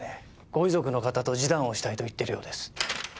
ご遺族の方と示談をしたいと言っているようです。